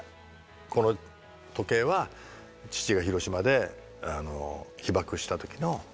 この時計は父が広島で被爆した時の形見なんだ。